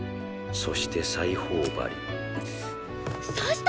そして裁縫針うっ。